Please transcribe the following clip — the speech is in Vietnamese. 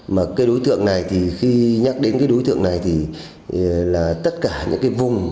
mà cái đối tượng này thì khi nhắc đến cái đối tượng này thì là tất cả những cái vùng